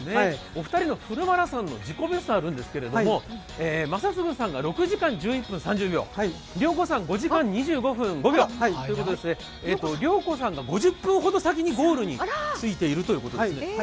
お二人のフルマラソンの自己ベストがあるんですけど、正嗣さんが６時間１１分３０秒、良子さん、５時間２５分０５秒ということで、良子さんが５０分ほど先にゴールに着いているということですね。